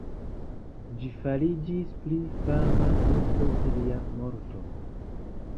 Ĝi fariĝis pli fama nur post lia morto.